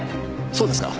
そうですか。